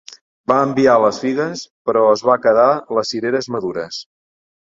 Va enviar les figues, però es va quedar les cireres madures.